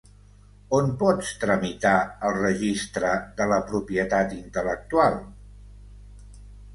On pots tramitar el Registre de la Propietat Intel·lectual?